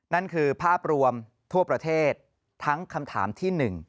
นั่นคือภาพรวมทั่วประเทศทั้งคำถามที่๑